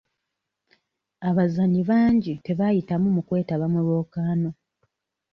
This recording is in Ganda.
Abazannyi bangi tebaayitamu mu kwetaba mu lwokaano.